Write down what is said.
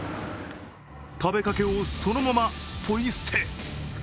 食べかけをそのままポイ捨て。